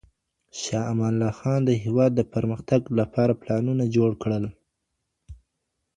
شاه امان الله خان د هېواد د پرمختګ لپاره پلانونه جوړ کړل.